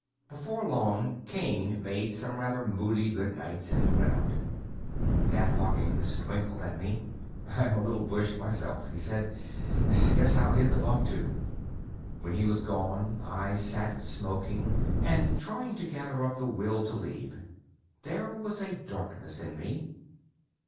Before long Kane made some rather moody good nights and went out. Nat Hawkins twinkled at me. "I'm a little bushed myself," he said. "Guess I'll hit the bunk too." When he was gone, I sat smoking and trying to gather up the will to leave. There was a darkness in me.